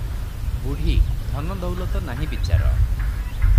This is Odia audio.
ବୁଢ଼ୀ – ଧନ ଦଉଲତ ନାହିଁ ବିଚାର